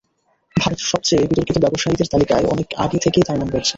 ভারতের সবচেয়ে বিতর্কিত ব্যবসায়ীদের তালিকায় অনেক আগে থেকেই তাঁর নাম রয়েছে।